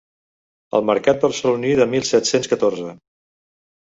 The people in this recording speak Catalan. El mercat barceloní de mil set-cents catorze.